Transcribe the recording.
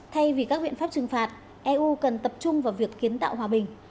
thay vì các biện pháp trừng phạt eu cần tập trung vào việc kiến tạo hòa bình